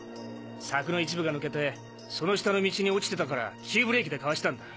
柵の一部が抜けてその下の道に落ちてたから急ブレーキでかわしたんだ。